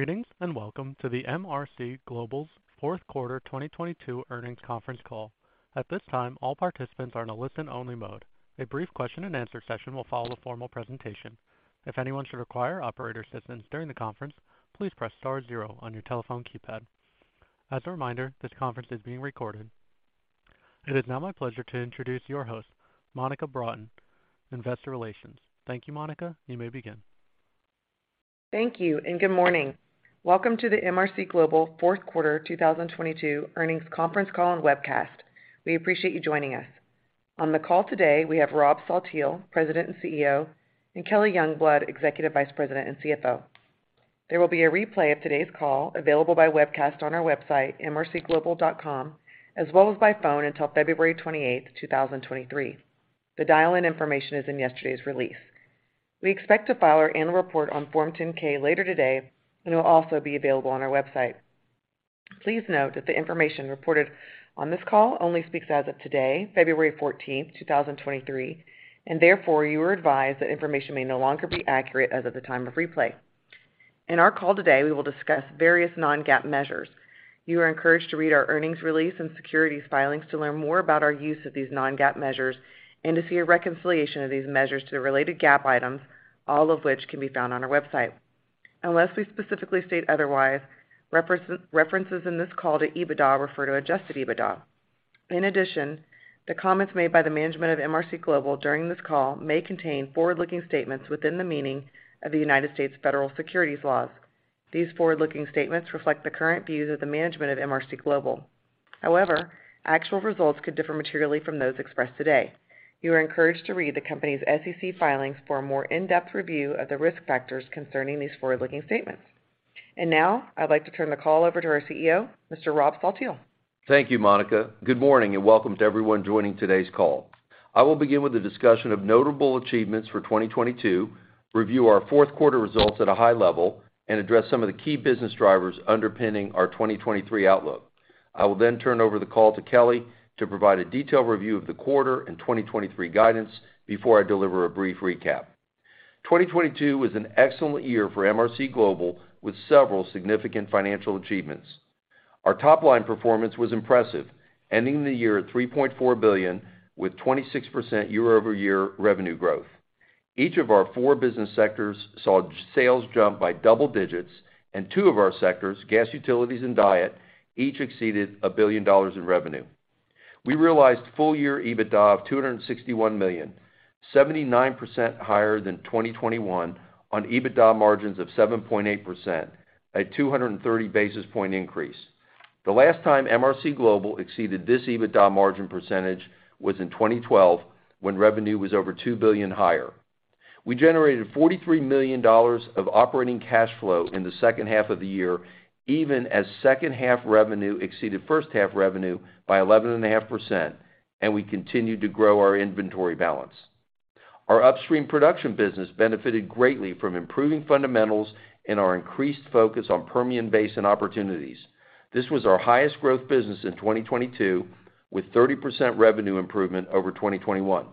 Greetings, welcome to the MRC Global's fourth quarter 2022 earnings conference call. At this time, all participants are in a listen-only mode. A brief question-and-answer session will follow the formal presentation. If anyone should require operator assistance during the conference, please press star zero on your telephone keypad. As a reminder, this conference is being recorded. It is now my pleasure to introduce your host, Monica Broughton, Investor Relations. Thank you, Monica. You may begin. Thank you, good morning. Welcome to the MRC Global fourth quarter 2022 earnings conference call and webcast. We appreciate you joining us. On the call today, we have Rob Saltiel, President and CEO, and Kelly Youngblood, Executive Vice President and CFO. There will be a replay of today's call available by webcast on our website, mrcglobal.com, as well as by phone until February 28, 2023. The dial-in information is in yesterday's release. We expect to file our annual report on Form 10-K later today and will also be available on our website. Please note that the information reported on this call only speaks as of today, February 14, 2023, therefore, you are advised that information may no longer be accurate as of the time of replay. In our call today, we will discuss various non-GAAP measures. You are encouraged to read our earnings release and securities filings to learn more about our use of these non-GAAP measures and to see a reconciliation of these measures to the related GAAP items, all of which can be found on our website. Unless we specifically state otherwise, references in this call to EBITDA refer to adjusted EBITDA. The comments made by the management of MRC Global during this call may contain forward-looking statements within the meaning of the United States federal securities laws. These forward-looking statements reflect the current views of the management of MRC Global. Actual results could differ materially from those expressed today. You are encouraged to read the company's SEC filings for a more in-depth review of the risk factors concerning these forward-looking statements. Now, I'd like to turn the call over to our CEO, Mr. Rob Saltiel. Thank you, Monica. Good morning, and welcome to everyone joining today's call. I will begin with a discussion of notable achievements for 2022, review our fourth quarter results at a high level, and address some of the key business drivers underpinning our 2023 outlook. I will then turn over the call to Kelly to provide a detailed review of the quarter and 2023 guidance before I deliver a brief recap. 2022 was an excellent year for MRC Global with several significant financial achievements. Our top line performance was impressive, ending the year at $3.4 billion with 26% year-over-year revenue growth. Each of our four business sectors saw sales jump by double digits and two of our sectors, gas utilities and DIET, each exceeded $1 billion in revenue. We realized full year EBITDA of $261 million, 79% higher than 2021 on EBITDA margins of 7.8% at 230 basis point increase. The last time MRC Global exceeded this EBITDA margin percentage was in 2012 when revenue was over $2 billion higher. We generated $43 million of operating cash flow in the second half of the year, even as second half revenue exceeded first half revenue by 11.5%, we continued to grow our inventory balance. Our upstream production business benefited greatly from improving fundamentals and our increased focus on Permian Basin opportunities. This was our highest growth business in 2022 with 30% revenue improvement over 2021.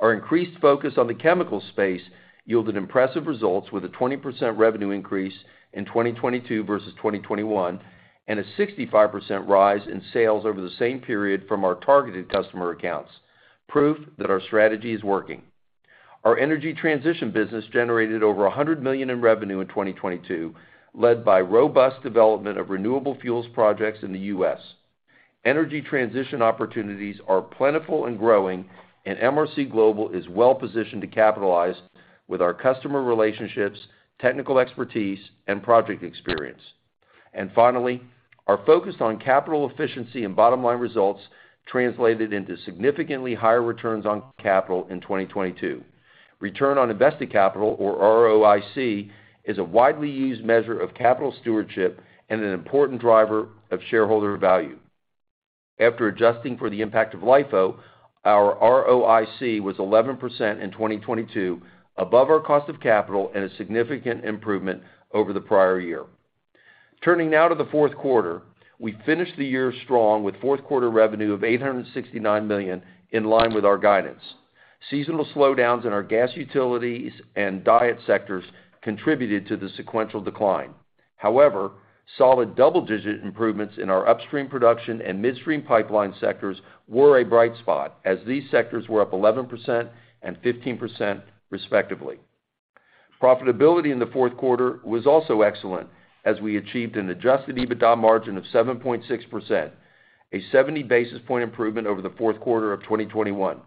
Our increased focus on the chemical space yielded impressive results with a 20% revenue increase in 2022 versus 2021 and a 65% rise in sales over the same period from our targeted customer accounts, proof that our strategy is working. Our energy transition business generated over $100 million in revenue in 2022, led by robust development of renewable fuels projects in the U.S. Energy transition opportunities are plentiful and growing, and MRC Global is well-positioned to capitalize with our customer relationships, technical expertise, and project experience. Finally, our focus on capital efficiency and bottom-line results translated into significantly higher returns on capital in 2022. Return on invested capital or ROIC is a widely used measure of capital stewardship and an important driver of shareholder value. After adjusting for the impact of LIFO, our ROIC was 11% in 2022 above our cost of capital and a significant improvement over the prior year. Turning now to the fourth quarter, we finished the year strong with fourth quarter revenue of $869 million in line with our guidance. Seasonal slowdowns in our gas utilities and diet sectors contributed to the sequential decline. Solid double-digit improvements in our upstream production and midstream pipeline sectors were a bright spot as these sectors were up 11% and 15% respectively. Profitability in the fourth quarter was also excellent as we achieved an adjusted EBITDA margin of 7.6%, a 70 basis point improvement over the fourth quarter of 2021.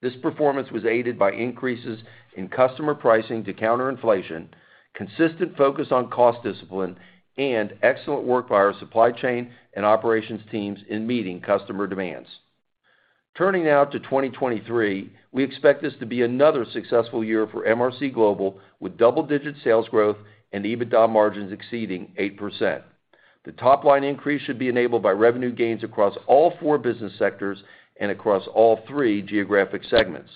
This performance was aided by increases in customer pricing to counter inflation, consistent focus on cost discipline, and excellent work by our supply chain and operations teams in meeting customer demands. Turning now to 2023, we expect this to be another successful year for MRC Global with double-digit sales growth and EBITDA margins exceeding 8%. The top line increase should be enabled by revenue gains across all four business sectors and across all three geographic segments.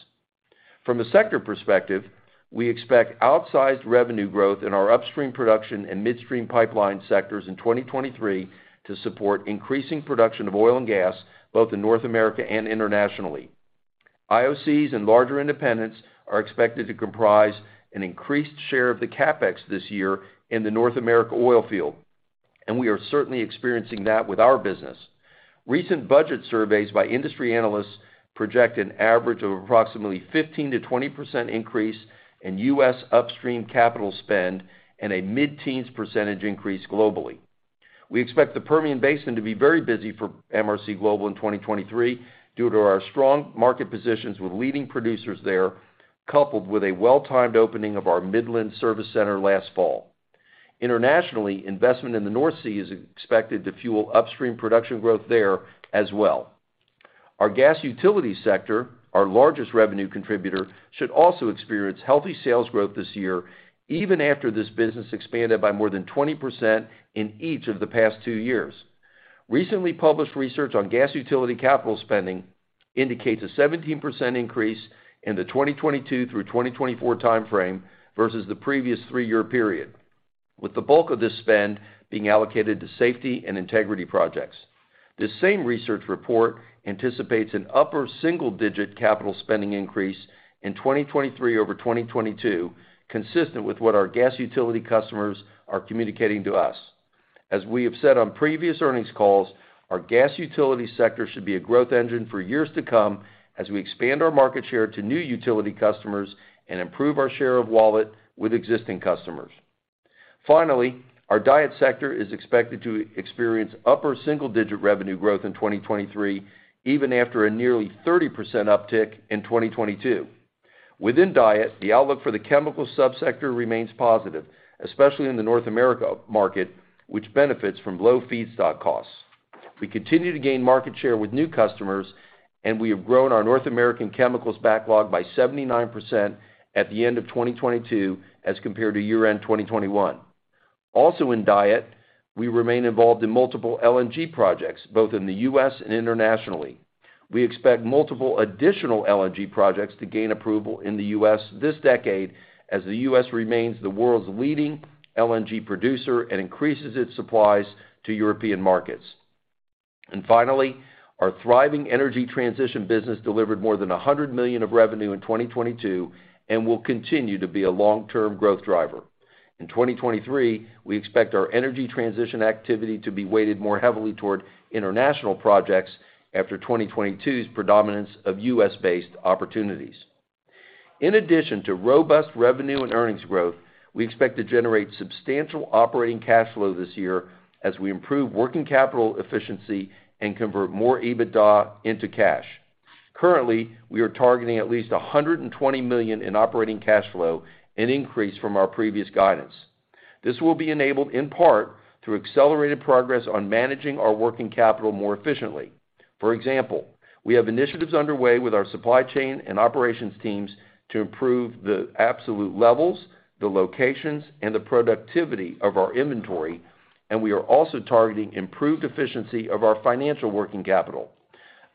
From a sector perspective, we expect outsized revenue growth in our upstream production and midstream pipeline sectors in 2023 to support increasing production of oil and gas, both in North America and internationally. IOCs and larger independents are expected to comprise an increased share of the CapEx this year in the North America oil field, and we are certainly experiencing that with our business. Recent budget surveys by industry analysts project an average of approximately 15%-20% increase in U.S. upstream capital spend and a mid-teens percentage increase globally. We expect the Permian Basin to be very busy for MRC Global in 2023 due to our strong market positions with leading producers there, coupled with a well-timed opening of our Midland service center last fall. Internationally, investment in the North Sea is expected to fuel upstream production growth there as well. Our gas utility sector, our largest revenue contributor, should also experience healthy sales growth this year, even after this business expanded by more than 20% in each of the past two years. Recently published research on gas utility capital spending indicates a 17% increase in the 2022 through 2024 time frame versus the previous three-year period, with the bulk of this spend being allocated to safety and integrity projects. This same research report anticipates an upper single-digit capital spending increase in 2023 over 2022, consistent with what our gas utility customers are communicating to us. As we have said on previous earnings calls, our gas utility sector should be a growth engine for years to come as we expand our market share to new utility customers and improve our share of wallet with existing customers. Finally, our diet sector is expected to experience upper single-digit revenue growth in 2023, even after a nearly 30% uptick in 2022. Within diet, the outlook for the chemical sub-sector remains positive, especially in the North America market, which benefits from low feedstock costs. We continue to gain market share with new customers, and we have grown our North American chemicals backlog by 79% at the end of 2022 as compared to year-end 2021. Also in diet, we remain involved in multiple LNG projects, both in the U.S. and internationally. We expect multiple additional LNG projects to gain approval in the U.S. this decade as the U.S. remains the world's leading LNG producer and increases its supplies to European markets. Finally, our thriving energy transition business delivered more than $100 million of revenue in 2022 and will continue to be a long-term growth driver. In 2023, we expect our energy transition activity to be weighted more heavily toward international projects after 2022's predominance of U.S.-based opportunities. In addition to robust revenue and earnings growth, we expect to generate substantial operating cash flow this year as we improve working capital efficiency and convert more EBITDA into cash. Currently, we are targeting at least $120 million in operating cash flow, an increase from our previous guidance. This will be enabled in part through accelerated progress on managing our working capital more efficiently. For example, we have initiatives underway with our supply chain and operations teams to improve the absolute levels, the locations, and the productivity of our inventory, and we are also targeting improved efficiency of our financial working capital.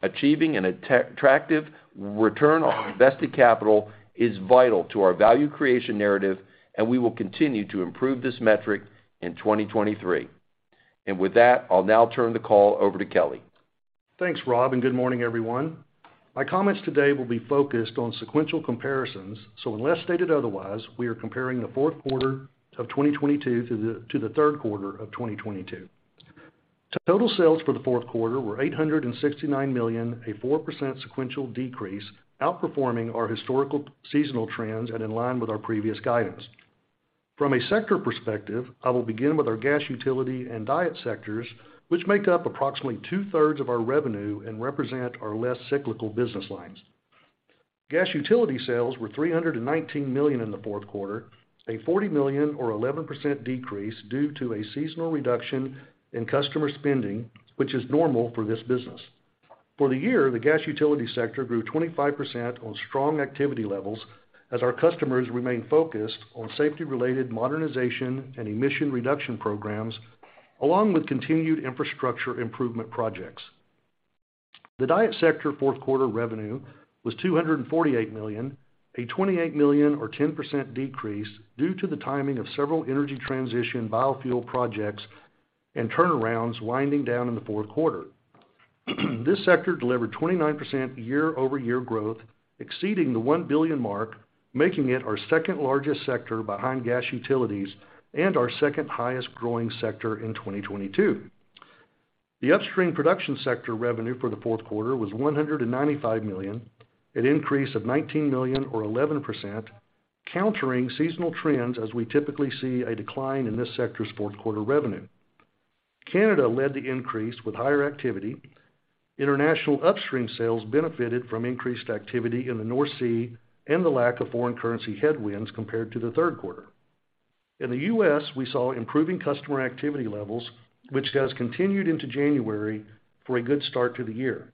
Achieving an attractive return on invested capital is vital to our value creation narrative, we will continue to improve this metric in 2023. With that, I'll now turn the call over to Kelly. Thanks, Rob. Good morning, everyone. My comments today will be focused on sequential comparisons. Unless stated otherwise, we are comparing the fourth quarter of 2022 to the third quarter of 2022. Total sales for the fourth quarter were $869 million, a 4% sequential decrease, outperforming our historical seasonal trends and in line with our previous guidance. From a sector perspective, I will begin with our gas utility and diet sectors, which make up approximately two-thirds of our revenue and represent our less cyclical business lines. Gas utility sales were $319 million in the fourth quarter, a $40 million or 11% decrease due to a seasonal reduction in customer spending, which is normal for this business. For the year, the gas utility sector grew 25% on strong activity levels as our customers remain focused on safety-related modernization and emission reduction programs, along with continued infrastructure improvement projects. The diet sector fourth-quarter revenue was $248 million, a $28 million or 10% decrease due to the timing of several energy transition biofuel projects and turnarounds winding down in the fourth quarter. This sector delivered 29% year-over-year growth, exceeding the $1 billion mark, making it our second-largest sector behind gas utilities and our second highest growing sector in 2022. The upstream production sector revenue for the fourth quarter was $195 million, an increase of $19 million or 11%, countering seasonal trends as we typically see a decline in this sector's fourth-quarter revenue. Canada led the increase with higher activity. International upstream sales benefited from increased activity in the North Sea and the lack of foreign currency headwinds compared to the third quarter. In the US, we saw improving customer activity levels, which has continued into January for a good start to the year.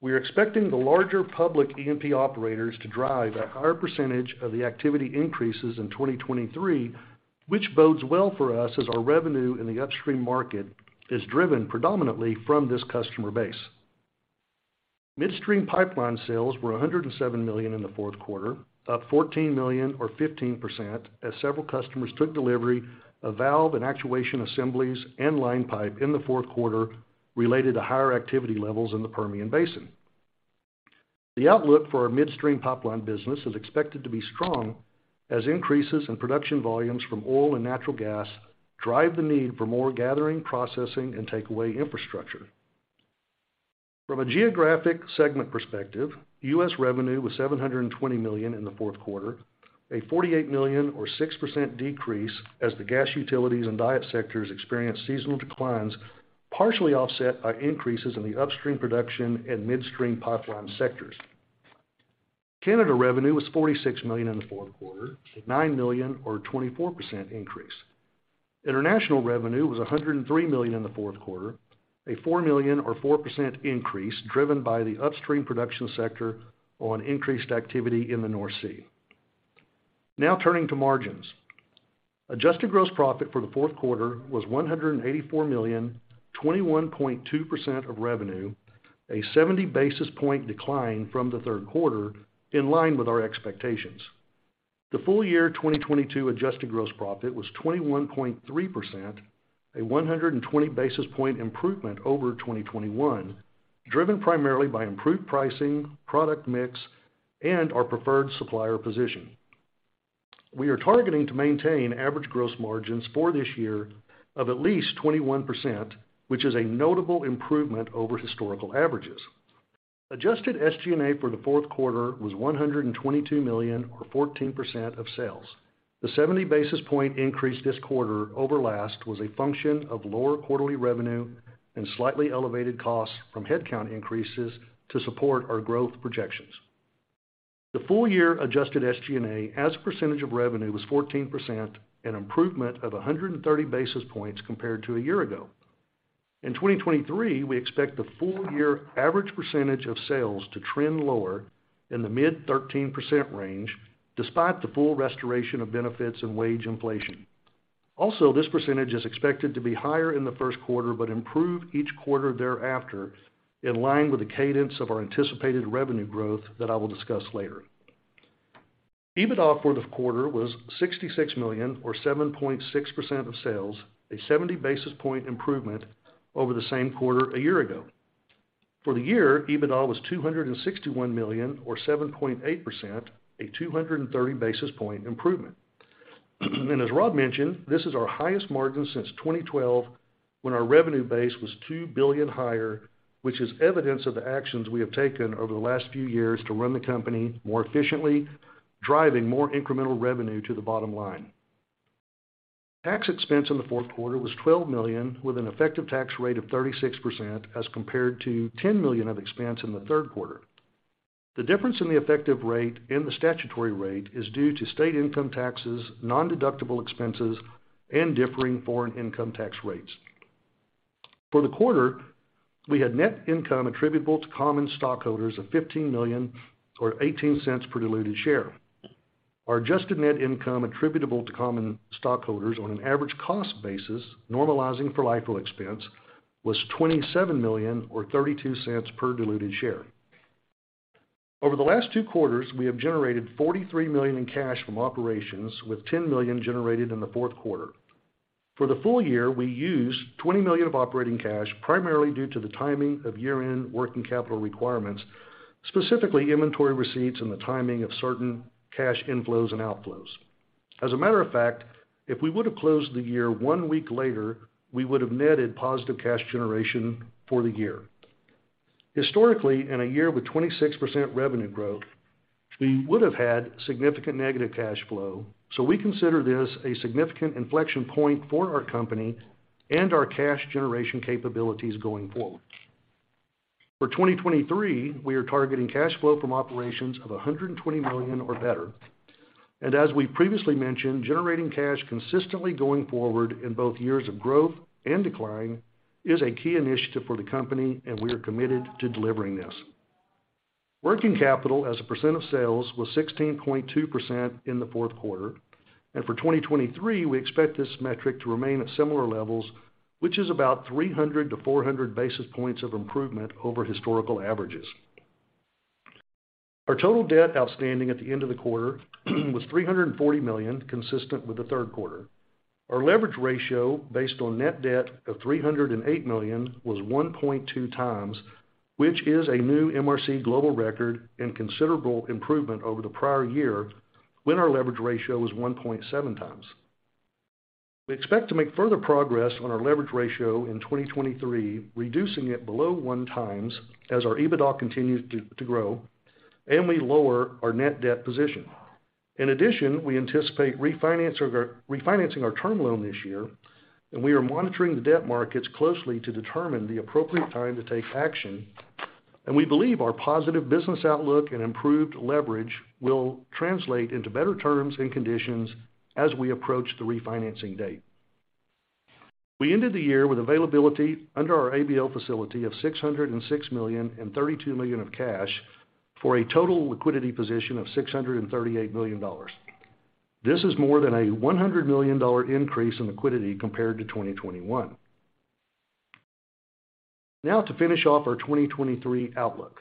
We are expecting the larger public E&P operators to drive a higher percentage of the activity increases in 2023, which bodes well for us as our revenue in the upstream market is driven predominantly from this customer base. Midstream pipeline sales were $107 million in the fourth quarter, up $14 million or 15% as several customers took delivery of valve and actuation assemblies and line pipe in the fourth quarter related to higher activity levels in the Permian Basin. The outlook for our midstream pipeline business is expected to be strong as increases in production volumes from oil and natural gas drive the need for more gathering, processing, and take away infrastructure. From a geographic segment perspective, US revenue was $720 million in the fourth quarter, a $48 million or 6% decrease as the gas utilities and diet sectors experienced seasonal declines, partially offset by increases in the upstream production and midstream pipeline sectors. Canada revenue was $46 million in the fourth quarter, a $9 million or 24% increase. International revenue was $103 million in the fourth quarter, a $4 million or 4% increase driven by the upstream production sector on increased activity in the North Sea. Turning to margins. Adjusted gross profit for the fourth quarter was $184 million, 21.2% of revenue, a 70 basis point decline from the third quarter, in line with our expectations. The full year 2022 adjusted gross profit was 21.3%, a 120 basis point improvement over 2021, driven primarily by improved pricing, product mix, and our preferred supplier position. We are targeting to maintain average gross margins for this year of at least 21%, which is a notable improvement over historical averages. Adjusted SG&A for the fourth quarter was $122 million or 14% of sales. The 70 basis point increase this quarter over last was a function of lower quarterly revenue and slightly elevated costs from headcount increases to support our growth projections. The full year adjusted SG&A as a percentage of revenue was 14%, an improvement of 130 basis points compared to a year ago. In 2023, we expect the full year average percentage of sales to trend lower in the mid 13% range, despite the full restoration of benefits and wage inflation. This percentage is expected to be higher in the first quarter, but improve each quarter thereafter, in line with the cadence of our anticipated revenue growth that I will discuss later. EBITDA for the quarter was $66 million or 7.6% of sales, a 70 basis point improvement over the same quarter a year ago. For the year, EBITDA was $261 million or 7.8%, a 230 basis point improvement. As Rob mentioned, this is our highest margin since 2012 when our revenue base was $2 billion higher, which is evidence of the actions we have taken over the last few years to run the company more efficiently, driving more incremental revenue to the bottom line. Tax expense in the fourth quarter was $12 million with an effective tax rate of 36% as compared to $10 million of expense in the third quarter. The difference in the effective rate and the statutory rate is due to state income taxes, nondeductible expenses, and differing foreign income tax rates. For the quarter, we had net income attributable to common stockholders of $15 million or $0.18 per diluted share. Our adjusted net income attributable to common stockholders on an average cost basis, normalizing for LIFO expense, was $27 million or $0.32 per diluted share. Over the last two quarters, we have generated $43 million in cash from operations with $10 million generated in the fourth quarter. For the full year, we used $20 million of operating cash, primarily due to the timing of year-end working capital requirements, specifically inventory receipts and the timing of certain cash inflows and outflows. As a matter of fact, if we would have closed the year one week later, we would have netted positive cash generation for the year. Historically, in a year with 26% revenue growth, we would have had significant negative cash flow, so we consider this a significant inflection point for our company and our cash generation capabilities going forward. For 2023, we are targeting cash flow from operations of $120 million or better. As we previously mentioned, generating cash consistently going forward in both years of growth and decline is a key initiative for the company, and we are committed to delivering this. Working capital as a percent of sales was 16.2% in the fourth quarter. For 2023, we expect this metric to remain at similar levels, which is about 300-400 basis points of improvement over historical averages. Our total debt outstanding at the end of the quarter was $340 million, consistent with the third quarter. Our leverage ratio based on net debt of $308 million was 1.2x, which is a new MRC Global record and considerable improvement over the prior year when our leverage ratio was 1.7x. We expect to make further progress on our leverage ratio in 2023, reducing it below 1x as our EBITDA continues to grow and we lower our net debt position. In addition, we anticipate refinancing our term loan this year. We are monitoring the debt markets closely to determine the appropriate time to take action. We believe our positive business outlook and improved leverage will translate into better terms and conditions as we approach the refinancing date. We ended the year with availability under our ABL facility of $606 million and $32 million of cash for a total liquidity position of $638 million. This is more than a $100 million increase in liquidity compared to 2021. To finish off our 2023 outlook.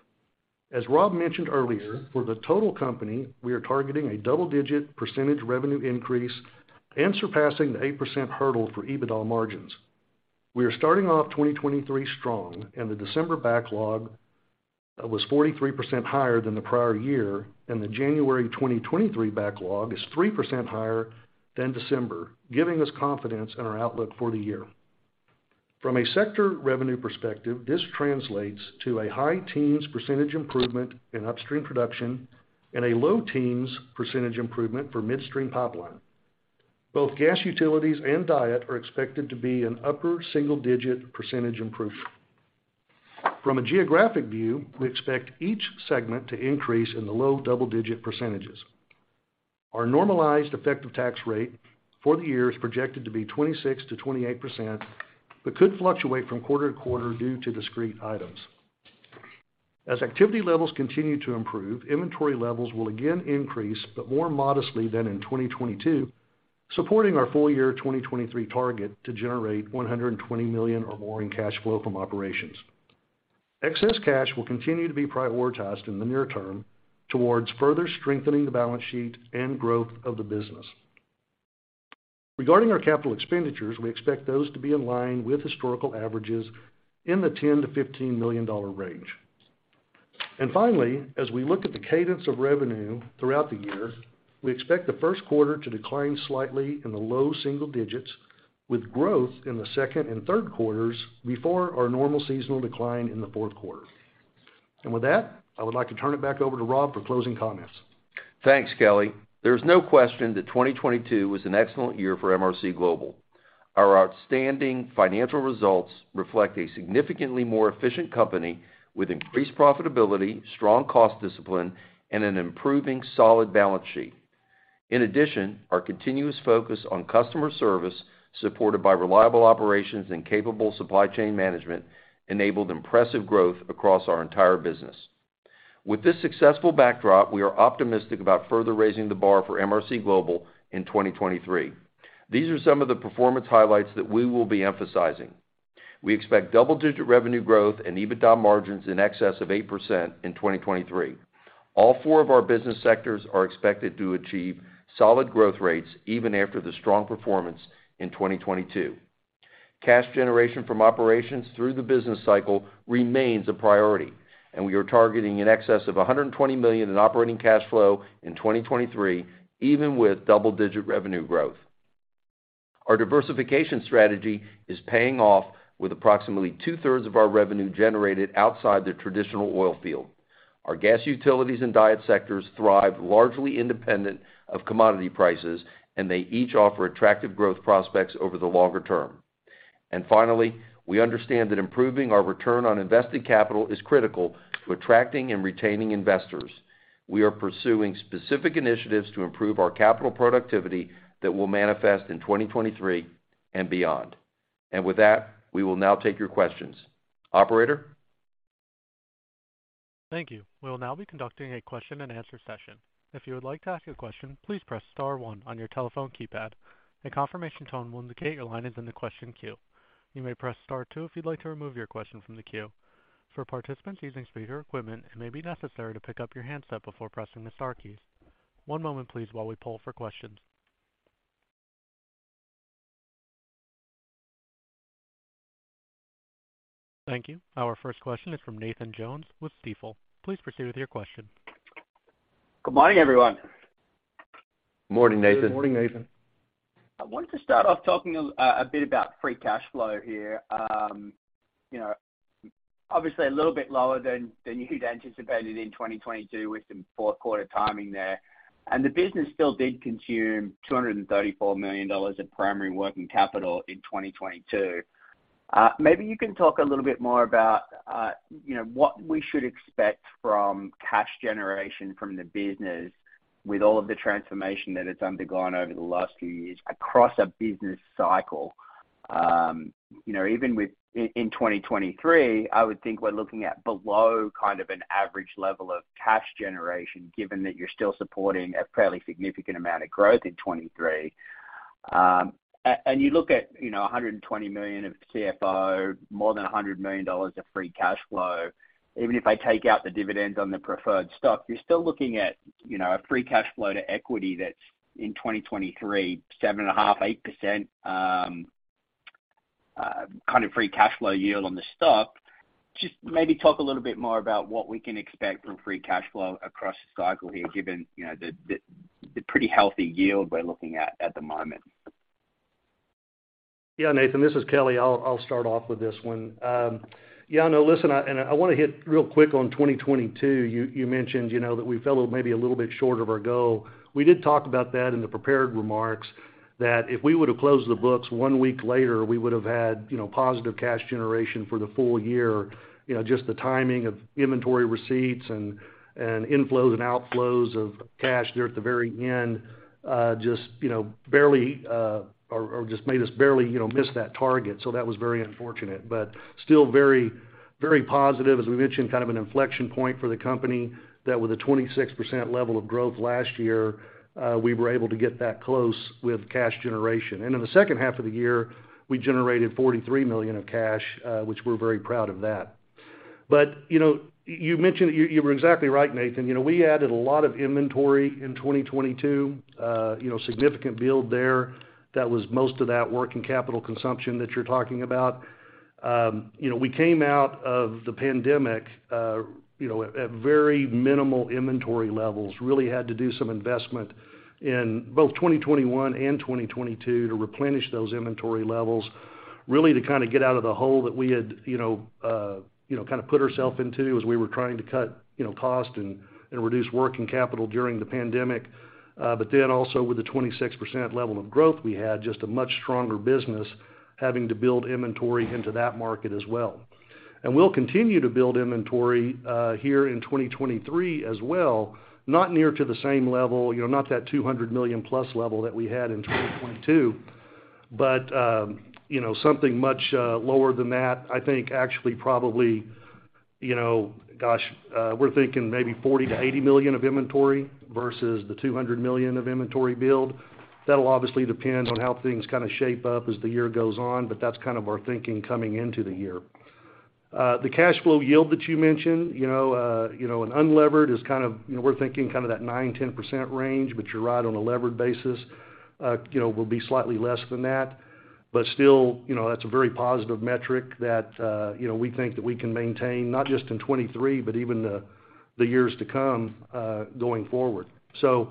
As Rob mentioned earlier, for the total company, we are targeting a double-digit percentage revenue increase and surpassing the 8% hurdle for EBITDA margins. We are starting off 2023 strong, and the December backlog was 43% higher than the prior year, and the January 2023 backlog is 3% higher than December, giving us confidence in our outlook for the year. From a sector revenue perspective, this translates to a high teens percentage improvement in upstream production and a low teens percentage improvement for midstream pipeline. Both gas utilities and diet are expected to be an upper single-digit % improvement. A geographic view, we expect each segment to increase in the low double-digit percentage. Our normalized effective tax rate for the year is projected to be 26%-28%, but could fluctuate from quarter to quarter due to discrete items. As activity levels continue to improve, inventory levels will again increase, but more modestly than in 2022, supporting our full year 2023 target to generate $120 million or more in cash flow from operations. Excess cash will continue to be prioritized in the near term towards further strengthening the balance sheet and growth of the business. Regarding our capital expenditures, we expect those to be in line with historical averages in the $10 million-$15 million range. Finally, as we look at the cadence of revenue throughout the year, we expect the first quarter to decline slightly in the low single digits, with growth in the second and third quarters before our normal seasonal decline in the fourth quarter. With that, I would like to turn it back over to Rob for closing comments. Thanks, Kelly. There's no question that 2022 was an excellent year for MRC Global. Our outstanding financial results reflect a significantly more efficient company with increased profitability, strong cost discipline, and an improving solid balance sheet. In addition, our continuous focus on customer service, supported by reliable operations and capable supply chain management, enabled impressive growth across our entire business. With this successful backdrop, we are optimistic about further raising the bar for MRC Global in 2023. These are some of the performance highlights that we will be emphasizing. We expect double-digit revenue growth and EBITDA margins in excess of 8% in 2023. All four of our business sectors are expected to achieve solid growth rates even after the strong performance in 2022. Cash generation from operations through the business cycle remains a priority, and we are targeting in excess of $120 million in operating cash flow in 2023, even with double-digit revenue growth. Our diversification strategy is paying off with approximately 2/3 of our revenue generated outside the traditional oil field. Our gas utilities and diet sectors thrive largely independent of commodity prices, and they each offer attractive growth prospects over the longer term. Finally, we understand that improving our return on invested capital is critical to attracting and retaining investors. We are pursuing specific initiatives to improve our capital productivity that will manifest in 2023 and beyond. With that, we will now take your questions. Operator? Thank you. We will now be conducting a question-and-answer session. If you would like to ask a question, please press star one on your telephone keypad. A confirmation tone will indicate your line is in the question queue. You may press star two if you'd like to remove your question from the queue. For participants using speaker equipment, it may be necessary to pick up your handset before pressing the star keys. One moment please while we poll for questions. Thank you. Our first question is from Nathan Jones with Stifel. Please proceed with your question. Good morning, everyone. Morning, Nathan. Good morning, Nathan. I wanted to start off talking a bit about free cash flow here. You know, obviously a little bit lower than you'd anticipated in 2022 with some fourth quarter timing there. The business still did consume $234 million of primary working capital in 2022. Maybe you can talk a little bit more about, you know, what we should expect from cash generation from the business with all of the transformation that it's undergone over the last few years across a business cycle. You know, even in 2023, I would think we're looking at below kind of an average level of cash generation, given that you're still supporting a fairly significant amount of growth in 2023. You look at, you know, $120 million of CFO, more than $100 million of free cash flow. Even if I take out the dividends on the preferred stock, you're still looking at, you know, a free cash flow to equity that's in 2023, 7.5%-8%, kind of free cash flow yield on the stock. Just maybe talk a little bit more about what we can expect from free cash flow across the cycle here, given, you know, the pretty healthy yield we're looking at the moment. Yeah, Nathan, this is Kelly. I'll start off with this one. Yeah, no, listen, I, and I wanna hit real quick on 2022. You mentioned, you know, that we fell maybe a little bit short of our goal. We did talk about that in the prepared remarks, that if we would've closed the books one week later, we would've had, you know, positive cash generation for the full year. You know, just the timing of inventory receipts and inflows and outflows of cash there at the very end, just, you know, barely, or just made us barely, you know, miss that target. That was very unfortunate. Still very, very positive. As we mentioned, kind of an inflection point for the company, that with a 26% level of growth last year, we were able to get that close with cash generation. In the second half of the year, we generated $43 million of cash, which we're very proud of that. You know, you were exactly right, Nathan. You know, we added a lot of inventory in 2022, you know, significant build there that was most of that working capital consumption that you're talking about. You know, we came out of the pandemic, you know, at very minimal inventory levels. Really had to do some investment in both 2021 and 2022 to replenish those inventory levels, really to kind of get out of the hole that we had, you know, kind of put ourself into as we were trying to cut, you know, cost and reduce working capital during the pandemic. Also with the 26% level of growth we had, just a much stronger business having to build inventory into that market as well. We'll continue to build inventory here in 2023 as well. Not near to the same level, you know, not that $200 million-plus level that we had in 2022, but, you know, something much lower than that. I think actually probably, you know, gosh, we're thinking maybe $40 million-$80 million of inventory versus the $200 million of inventory build. That'll obviously depend on how things kind of shape up as the year goes on, that's kind of our thinking coming into the year. The cash flow yield that you mentioned, you know, you know, in unlevered is kind of, you know, we're thinking kind of that 9%-10% range, you're right on a levered basis. You know, we'll be slightly less than that. Still, you know, that's a very positive metric that, you know, we think that we can maintain, not just in 2023, but even the years to come, going forward. You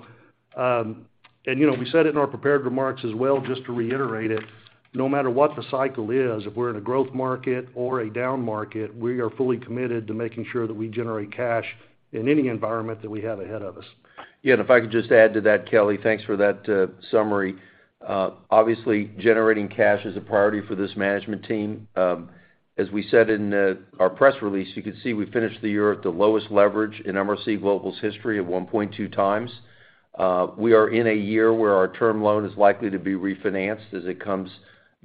know, we said it in our prepared remarks as well, just to reiterate it, no matter what the cycle is, if we're in a growth market or a down market, we are fully committed to making sure that we generate cash in any environment that we have ahead of us. If I could just add to that, Kelly. Thanks for that summary. Obviously, generating cash is a priority for this management team. As we said in our press release, you can see we finished the year at the lowest leverage in MRC Global's history of 1.2x. We are in a year where our term loan is likely to be refinanced as it comes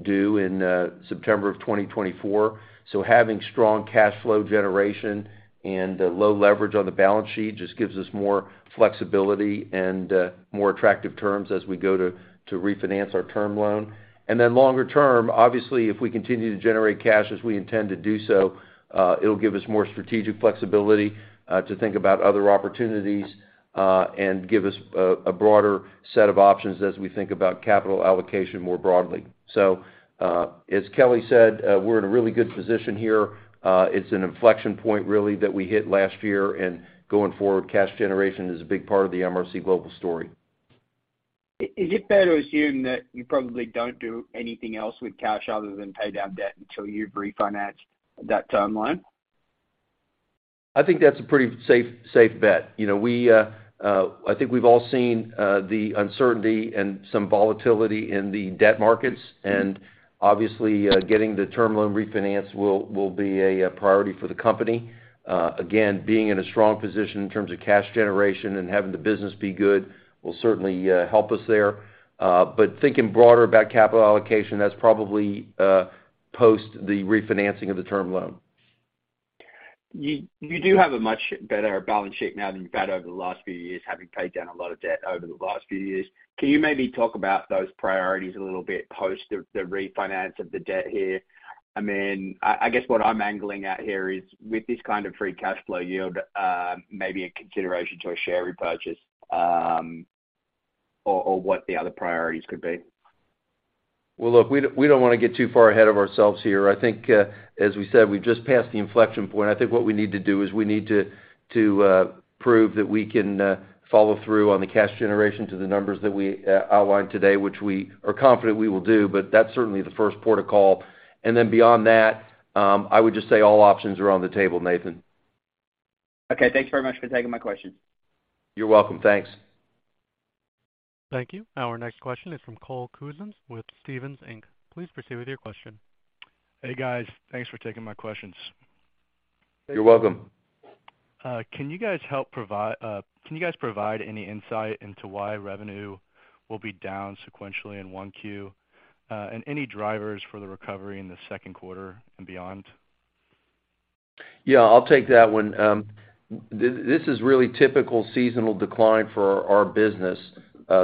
due in September 2024. Having strong cash flow generation and low leverage on the balance sheet just gives us more flexibility and more attractive terms as we go to refinance our term loan. Longer term, obviously, if we continue to generate cash as we intend to do so, it'll give us more strategic flexibility, to think about other opportunities, and give us a broader set of options as we think about capital allocation more broadly. As Kelly said, we're in a really good position here. It's an inflection point really that we hit last year, and going forward, cash generation is a big part of the MRC Global story. Is it fair to assume that you probably don't do anything else with cash other than pay down debt until you've refinanced that term loan? I think that's a pretty safe bet. You know, we, I think we've all seen the uncertainty and some volatility in the debt markets. Obviously, getting the term loan refinance will be a priority for the company. Again, being in a strong position in terms of cash generation and having the business be good will certainly help us there. Thinking broader about capital allocation, that's probably post the refinancing of the term loan. You do have a much better balance sheet now than you've had over the last few years, having paid down a lot of debt over the last few years. Can you maybe talk about those priorities a little bit post the refinance of the debt here? I mean, I guess what I'm angling at here is, with this kind of free cash flow yield, maybe a consideration to a share repurchase, or what the other priorities could be. Well, look, we don't wanna get too far ahead of ourselves here. I think, as we said, we've just passed the inflection point. I think what we need to do is we need to prove that we can, follow through on the cash generation to the numbers that we outlined today, which we are confident we will do, but that's certainly the first port of call. Beyond that, I would just say all options are on the table, Nathan. Okay. Thanks very much for taking my question. You're welcome. Thanks. Thank you. Our next question is from Cole Couzens with Stephens Inc. Please proceed with your question. Hey, guys. Thanks for taking my questions. You're welcome. Can you guys provide any insight into why revenue will be down sequentially in 1Q and any drivers for the recovery in the 2Q and beyond? Yeah, I'll take that one. This is really typical seasonal decline for our business,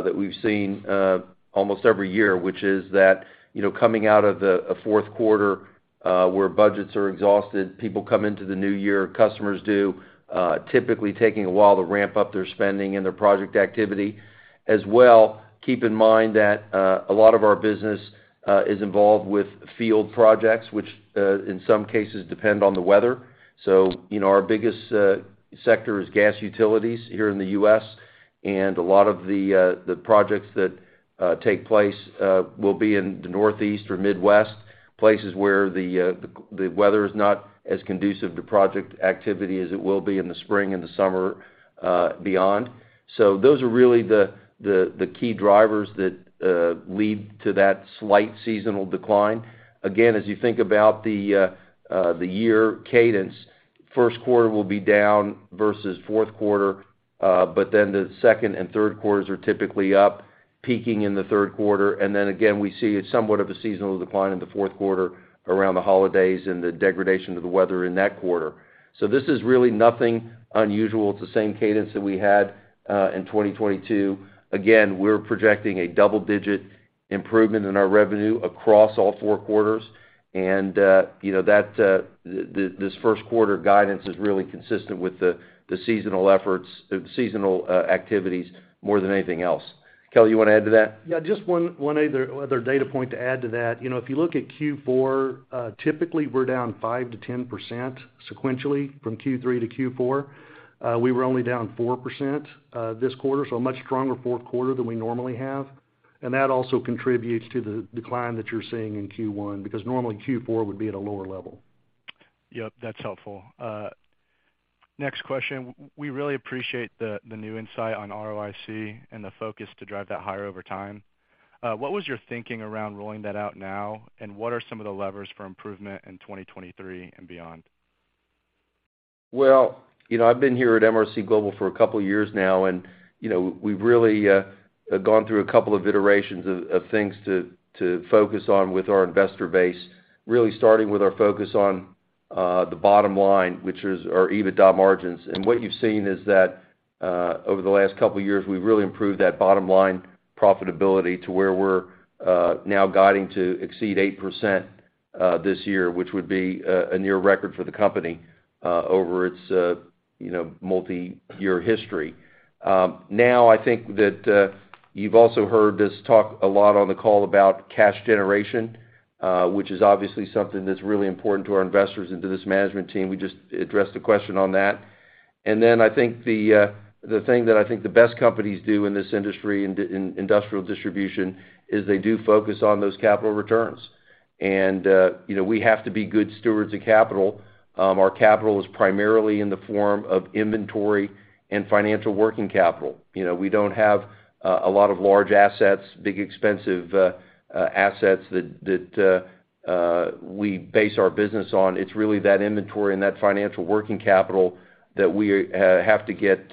that we've seen, almost every year, which is that, you know, coming out of the, a fourth quarter, where budgets are exhausted, people come into the new year, customers do, typically taking a while to ramp up their spending and their project activity. Keep in mind that, a lot of our business, is involved with field projects, which, in some cases depend on the weather. You know, our biggest, sector is gas utilities here in the U.S., and a lot of the projects that, take place, will be in the Northeast or Midwest, places where the weather is not as conducive to project activity as it will be in the spring and the summer, beyond. Those are really the key drivers that lead to that slight seasonal decline. Again, as you think about the year cadence, first quarter will be down versus fourth quarter, but then the second and third quarters are typically up. Peaking in the third quarter, and then again we see somewhat of a seasonal decline in the fourth quarter around the holidays and the degradation of the weather in that quarter. This is really nothing unusual. It's the same cadence that we had in 2022. Again, we're projecting a double-digit improvement in our revenue across all four quarters, and, you know, that this first quarter guidance is really consistent with the seasonal efforts, the seasonal activities more than anything else. Kelly, you wanna add to that? Yeah, just one other data point to add to that. You know, if you look at Q4, typically, we're down 5%-10% sequentially from Q3-Q4. We were only down 4% this quarter, so a much stronger fourth quarter than we normally have. That also contributes to the decline that you're seeing in Q1, because normally Q4 would be at a lower level. Yep, that's helpful. Next question. We really appreciate the new insight on ROIC and the focus to drive that higher over time. What was your thinking around rolling that out now, and what are some of the levers for improvement in 2023 and beyond? Well, you know, I've been here at MRC Global for a couple years now, you know, we've really gone through a couple of iterations of things to focus on with our investor base, really starting with our focus on the bottom line, which is our EBITDA margins. What you've seen is that over the last couple years, we've really improved that bottom-line profitability to where we're now guiding to exceed 8% this year, which would be a near record for the company over its, you know, multi-year history. I think that you've also heard us talk a lot on the call about cash generation, which is obviously something that's really important to our investors and to this management team. We just addressed a question on that. I think the thing that I think the best companies do in this industry, in industrial distribution, is they do focus on those capital returns. You know, we have to be good stewards of capital. Our capital is primarily in the form of inventory and financial working capital. You know, we don't have a lot of large assets, big, expensive assets that we base our business on. It's really that inventory and that financial working capital that we have to get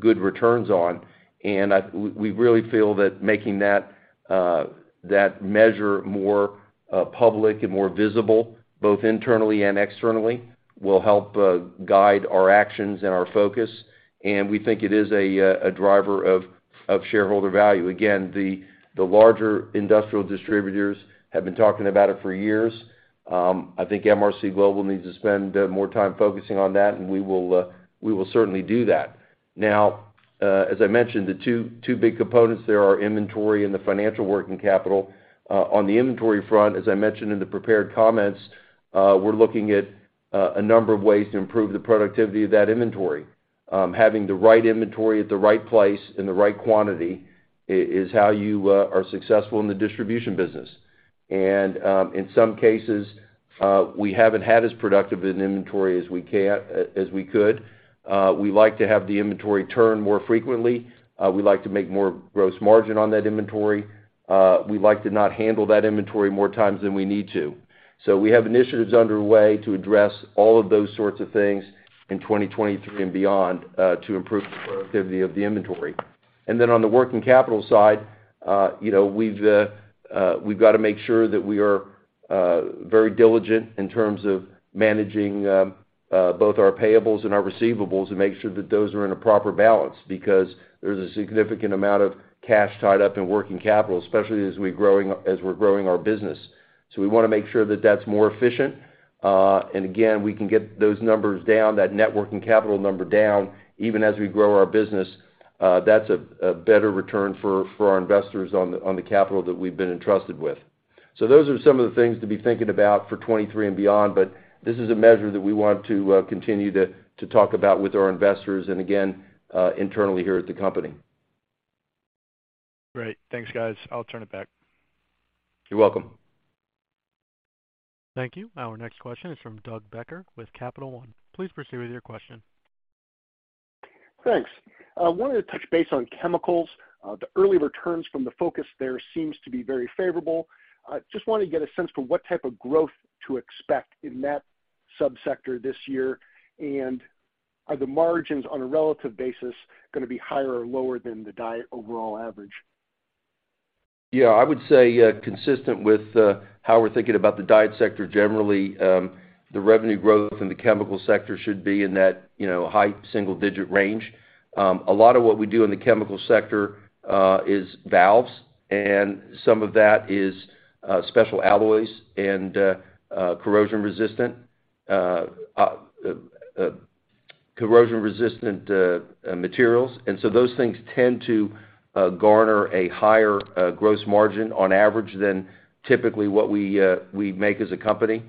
good returns on. We, we really feel that making that measure more public and more visible, both internally and externally, will help guide our actions and our focus, and we think it is a driver of shareholder value. Again, the larger industrial distributors have been talking about it for years. I think MRC Global needs to spend more time focusing on that, and we will, we will certainly do that. Now, as I mentioned, the two big components there are inventory and the financial working capital. On the inventory front, as I mentioned in the prepared comments, we're looking at a number of ways to improve the productivity of that inventory. Having the right inventory at the right place in the right quantity is how you are successful in the distribution business. In some cases, we haven't had as productive an inventory as we could. We like to have the inventory turn more frequently. We like to make more gross margin on that inventory. We like to not handle that inventory more times than we need to. We have initiatives underway to address all of those sorts of things in 2023 and beyond to improve the productivity of the inventory. On the working capital side, you know, we've got to make sure that we are very diligent in terms of managing both our payables and our receivables and make sure that those are in a proper balance because there's a significant amount of cash tied up in working capital, especially as we're growing our business. We wanna make sure that that's more efficient. Again, we can get those numbers down, that net working capital number down, even as we grow our business. That's a better return for our investors on the capital that we've been entrusted with. Those are some of the things to be thinking about for 23 and beyond, but this is a measure that we want to continue to talk about with our investors and again, internally here at the company. Great. Thanks, guys. I'll turn it back. You're welcome. Thank you. Our next question is from Doug Becker with Capital One. Please proceed with your question. Thanks. I wanted to touch base on chemicals. The early returns from the focus there seems to be very favorable. I just want to get a sense for what type of growth to expect in that sub-sector this year, are the margins on a relative basis gonna be higher or lower than the diet overall average? Yeah, I would say, consistent with, how we're thinking about the diet sector generally, the revenue growth in the chemical sector should be in that, you know, high single digit range. A lot of what we do in the chemical sector, is valves, and some of that is, special alloys and, corrosion-resistant materials. Those things tend to, garner a higher, gross margin on average than typically what we make as a company.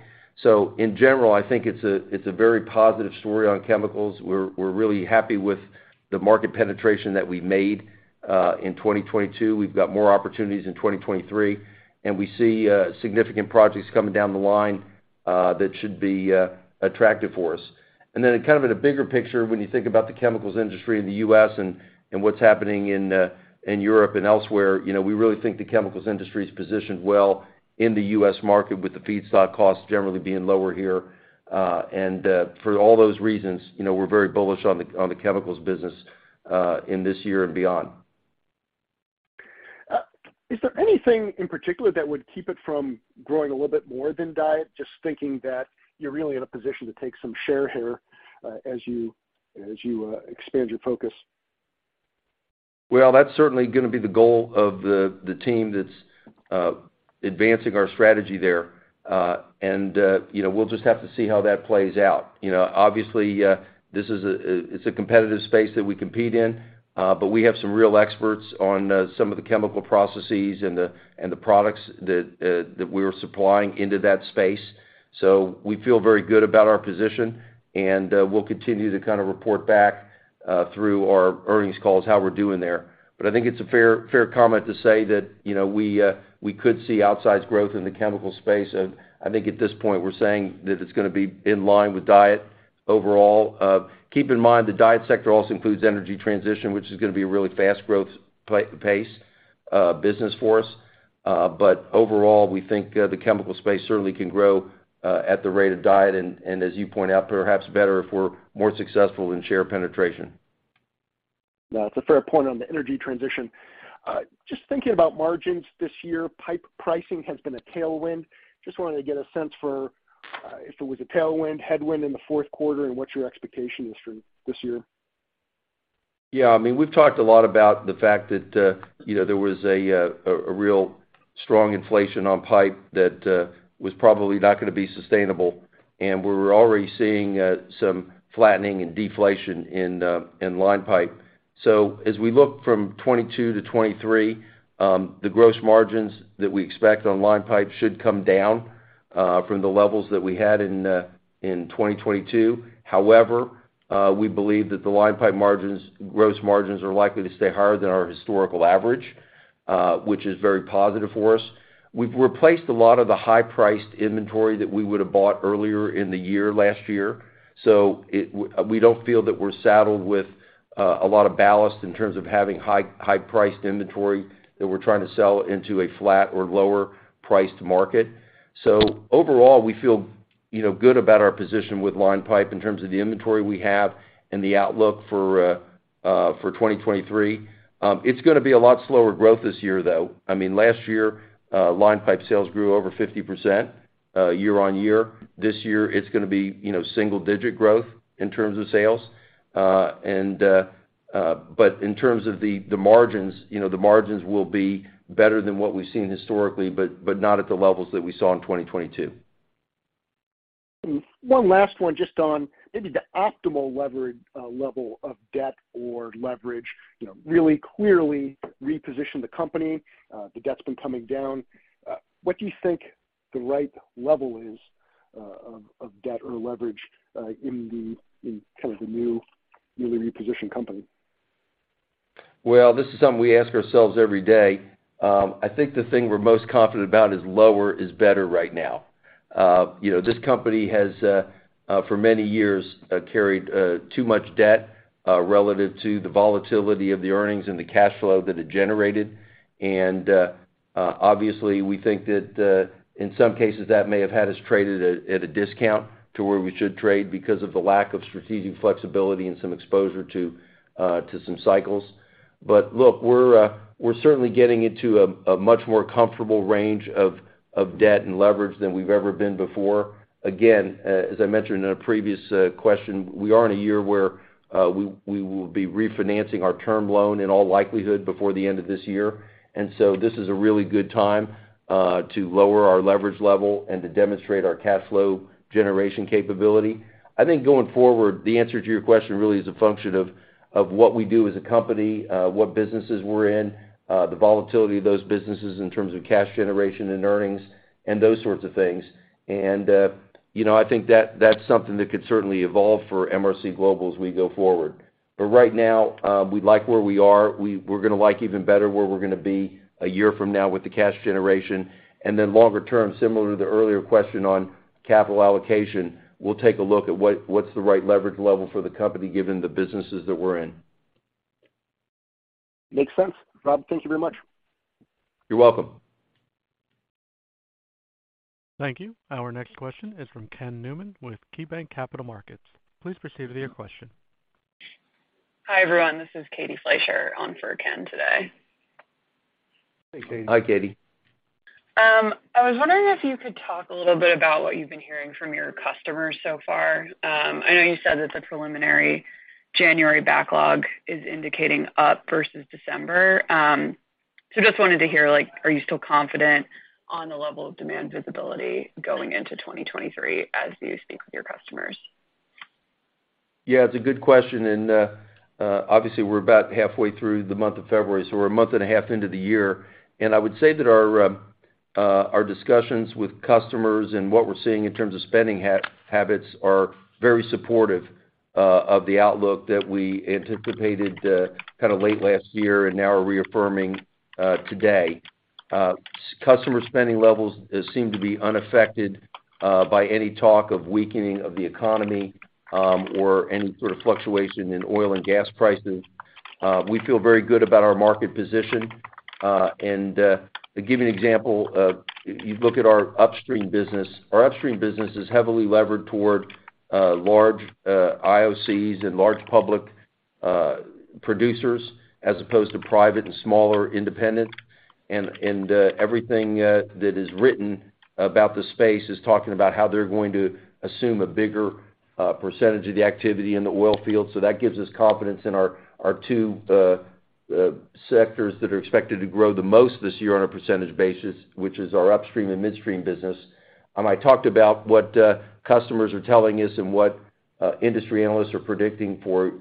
In general, I think it's a, it's a very positive story on chemicals. We're really happy with the market penetration that we made, in 2022. We've got more opportunities in 2023, we see, significant projects coming down the line, that should be, attractive for us. Kind of at a bigger picture, when you think about the chemicals industry in the U.S. and what's happening in Europe and elsewhere, you know, we really think the chemicals industry is positioned well in the U.S. market with the feedstock costs generally being lower here. For all those reasons, you know, we're very bullish on the chemicals business in this year and beyond. Is there anything in particular that would keep it from growing a little bit more than diet? Just thinking that you're really in a position to take some share here, as you expand your focus. Well, that's certainly gonna be the goal of the team that's, advancing our strategy there. You know, we'll just have to see how that plays out. You know, obviously, it's a competitive space that we compete in, but we have some real experts on some of the chemical processes and the, and the products that we're supplying into that space. So we feel very good about our position, and, we'll continue to kind of report back through our earnings calls how we're doing there. I think it's a fair comment to say that, you know, we could see outsized growth in the chemical space. I think at this point we're saying that it's gonna be in line with diet overall. Keep in mind, the diet sector also includes energy transition, which is gonna be a really fast growth pace, business for us. Overall, we think, the chemical space certainly can grow, at the rate of diet, and as you point out, perhaps better if we're more successful in share penetration. That's a fair point on the energy transition. Just thinking about margins this year, pipe pricing has been a tailwind. Just wanted to get a sense for if it was a tailwind, headwind in the fourth quarter and what's your expectation this year? Yeah. I mean, we've talked a lot about the fact that, you know, there was a real strong inflation on pipe that was probably not gonna be sustainable, and we're already seeing some flattening and deflation in line pipe. As we look from 2022 to 2023, the gross margins that we expect on line pipe should come down from the levels that we had in 2022. However, we believe that the line pipe margins, gross margins are likely to stay higher than our historical average, which is very positive for us. We've replaced a lot of the high-priced inventory that we would have bought earlier in the year last year, we don't feel that we're saddled with a lot of ballast in terms of having high, high-priced inventory that we're trying to sell into a flat or lower priced market. Overall, we feel, you know, good about our position with line pipe in terms of the inventory we have and the outlook for 2023. It's gonna be a lot slower growth this year, though. I mean, last year, line pipe sales grew over 50% year-over-year. This year it's gonna be, you know, single digit growth in terms of sales. In terms of the margins, you know, the margins will be better than what we've seen historically, but not at the levels that we saw in 2022. One last one just on maybe the optimal leverage, level of debt or leverage. You know, really clearly reposition the company. The debt's been coming down. What do you think the right level is, of debt or leverage, in kind of the new, newly repositioned company? Well, this is something we ask ourselves every day. I think the thing we're most confident about is lower is better right now. You know, this company has for many years carried too much debt relative to the volatility of the earnings and the cash flow that it generated. Obviously, we think that in some cases that may have had us traded at a discount to where we should trade because of the lack of strategic flexibility and some exposure to some cycles. Look, we're certainly getting into a much more comfortable range of debt and leverage than we've ever been before. Again, as I mentioned in a previous question, we are in a year where we will be refinancing our term loan in all likelihood before the end of this year. This is a really good time to lower our leverage level and to demonstrate our cash flow generation capability. I think going forward, the answer to your question really is a function of what we do as a company, what businesses we're in, the volatility of those businesses in terms of cash generation and earnings and those sorts of things. You know, I think that's something that could certainly evolve for MRC Global as we go forward. But right now, we like where we are. We're gonna like even better where we're gonna be a year from now with the cash generation. Then longer term, similar to the earlier question on capital allocation, we'll take a look at what's the right leverage level for the company given the businesses that we're in. Makes sense. Rob, thank you very much. You're welcome. Thank you. Our next question is from Ken Newman with KeyBanc Capital Markets. Please proceed with your question. Hi, everyone. This is Katie Fleischer on for Ken today. Hey, Katie. Hi, Katie. I was wondering if you could talk a little bit about what you've been hearing from your customers so far. I know you said that the preliminary January backlog is indicating up versus December. Just wanted to hear, like, are you still confident on the level of demand visibility going into 2023 as you speak with your customers? Yeah, it's a good question, obviously we're about halfway through the month of February, so we're a month and a half into the year. I would say that our discussions with customers and what we're seeing in terms of spending habits are very supportive of the outlook that we anticipated kind of late last year and now are reaffirming today. Customer spending levels seem to be unaffected by any talk of weakening of the economy, or any sort of fluctuation in oil and gas prices. We feel very good about our market position. To give you an example, you look at our upstream business. Our upstream business is heavily levered toward large IOCs and large public producers as opposed to private and smaller independents. Everything that is written about the space is talking about how they're going to assume a bigger percentage of the activity in the oil field. That gives us confidence in our two sectors that are expected to grow the most this year on a percentage basis, which is our upstream and midstream business. I talked about what customers are telling us and what industry analysts are predicting for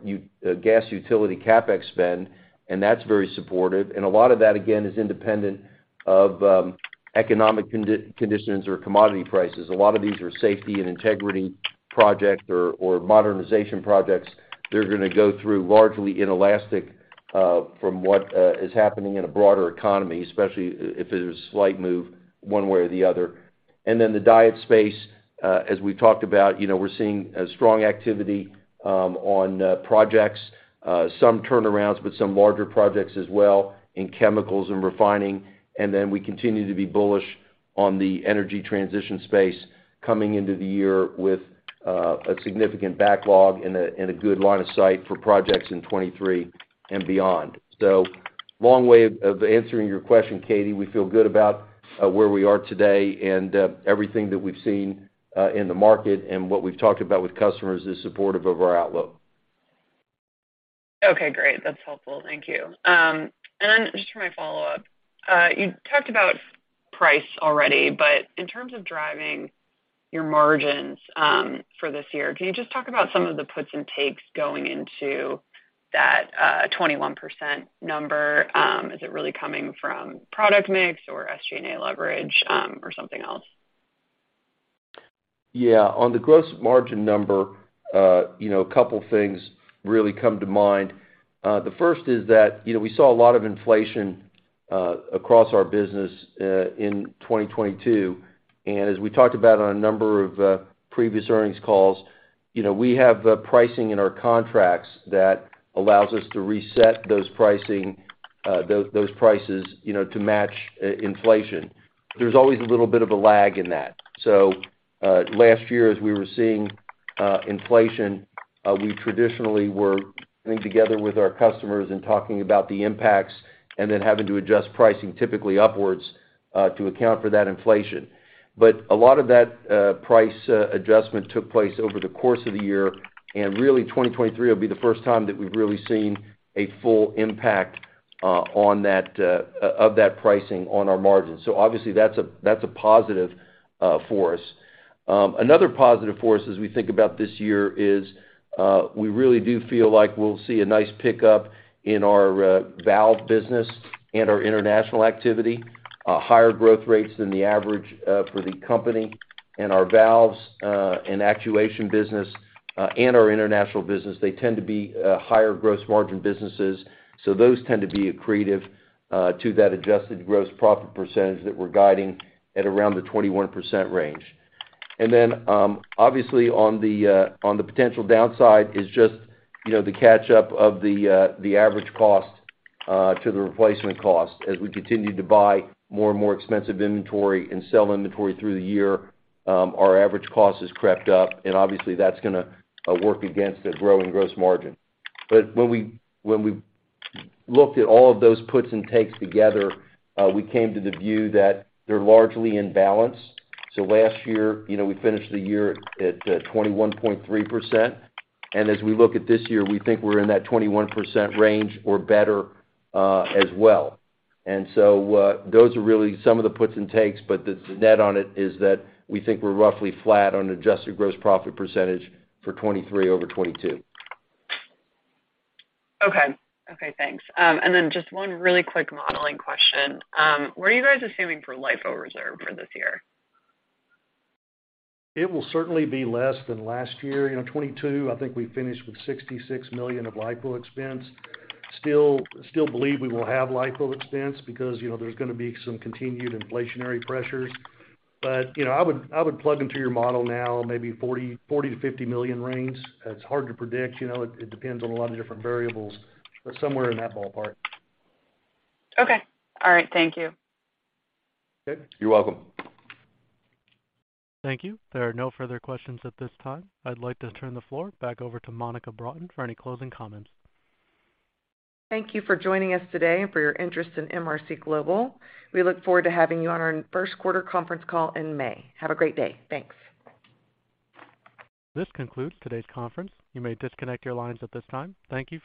gas utility CapEx spend, and that's very supportive. A lot of that, again, is independent of economic conditions or commodity prices. A lot of these are safety and integrity projects or modernization projects. They're gonna go through largely inelastic, from what is happening in a broader economy, especially if there's a slight move one way or the other. The diet space, as we've talked about, you know, we're seeing a strong activity on projects, some turnarounds, but some larger projects as well in chemicals and refining. We continue to be bullish on the energy transition space coming into the year with a significant backlog and a good line of sight for projects in 2023 and beyond. Long way of answering your question, Katie, we feel good about where we are today and everything that we've seen in the market and what we've talked about with customers is supportive of our outlook. Okay, great. That's helpful. Thank you. Just for my follow-up. You talked about price already, but in terms of driving your margins, for this year, can you just talk about some of the puts and takes going into that 21% number? Is it really coming from product mix or SG&A leverage, or something else? On the gross margin number, you know, a couple things really come to mind. The first is that, you know, we saw a lot of inflation across our business in 2022. As we talked about on a number of previous earnings calls, you know, we have pricing in our contracts that allows us to reset those pricing, those prices, you know, to match inflation. There's always a little bit of a lag in that. Last year, as we were seeing inflation, we traditionally were coming together with our customers and talking about the impacts and then having to adjust pricing typically upwards to account for that inflation. A lot of that price adjustment took place over the course of the year, and really, 2023 will be the first time that we've really seen a full impact on that of that pricing on our margins. Obviously, that's a, that's a positive for us. Another positive for us as we think about this year is we really do feel like we'll see a nice pickup in our valve business and our international activity. Higher growth rates than the average for the company and our valves and actuation business and our international business. They tend to be higher gross margin businesses, so those tend to be accretive to that adjusted gross profit percentage that we're guiding at around the 21% range. Obviously on the potential downside is just, you know, the catch-up of the average cost to the replacement cost. As we continue to buy more and more expensive inventory and sell inventory through the year, our average cost has crept up, and obviously, that's gonna work against a growing gross margin. When we looked at all of those puts and takes together, we came to the view that they're largely in balance. Last year, you know, we finished the year at 21.3%. As we look at this year, we think we're in that 21% range or better as well. Those are really some of the puts and takes, but the net on it is that we think we're roughly flat on adjusted gross profit % for 2023 over 2022. Okay. Okay, thanks. Then just one really quick modeling question. What are you guys assuming for LIFO reserve for this year? It will certainly be less than last year. You know, 2022, I think we finished with $66 million of LIFO expense. Still believe we will have LIFO expense because, you know, there's gonna be some continued inflationary pressures. You know, I would, I would plug into your model now maybe $40 million-$50 million range. It's hard to predict, you know. It, it depends on a lot of different variables, but somewhere in that ballpark. Okay. All right. Thank you. Okay. You're welcome. Thank you. There are no further questions at this time. I'd like to turn the floor back over to Monica Broughton for any closing comments. Thank you for joining us today and for your interest in MRC Global. We look forward to having you on our first quarter conference call in May. Have a great day. Thanks. This concludes today's conference. You may disconnect your lines at this time. Thank you for your participation.